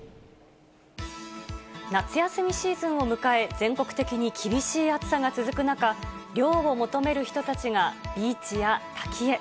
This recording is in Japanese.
夏休みシーズンを迎え、全国的に厳しい暑さが続く中、涼を求める人たちがビーチや滝へ。